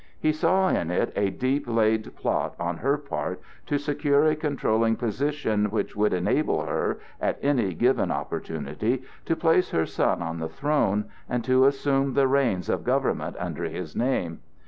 He saw in it a deep laid plot on her part to secure a controlling position which would enable her, at any given opportunity, to place her son on the throne and to assume the reins of government under his name.